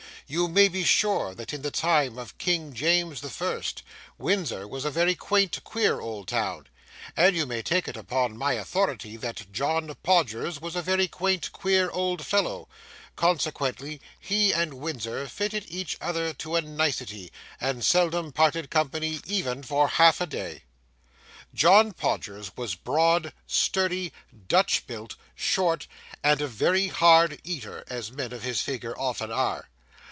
You may be sure that in the time of King James the First, Windsor was a very quaint queer old town, and you may take it upon my authority that John Podgers was a very quaint queer old fellow; consequently he and Windsor fitted each other to a nicety, and seldom parted company even for half a day. John Podgers was broad, sturdy, Dutch built, short, and a very hard eater, as men of his figure often are.